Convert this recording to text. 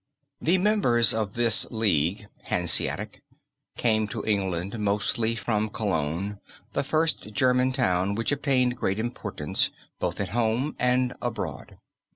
"The members of this League (Hanseatic) came to England mostly from Cologne, the first German town which obtained great importance both at home and abroad.